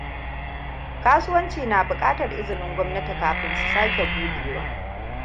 kasuwanci na bukatar izinin gwamnati kafin su sake-ɗude.